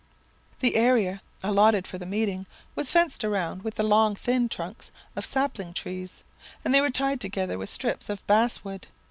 "The area allotted for the meeting was fenced around with the long thin trunks of sapling trees, that were tied together with strips of bass wood.